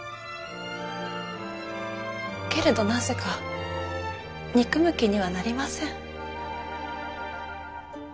けれどなぜか憎む気にはなりません。